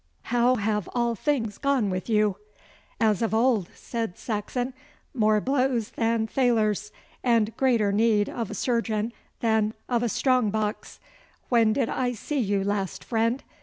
How have all things gone with you?' 'As of old,' said Saxon. 'More blows than thalers, and greater need of a surgeon than of a strong box. When did I see you last, friend?